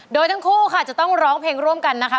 โดยทั้งคู่ค่ะจะต้องร้องเพลงร่วมกันนะคะ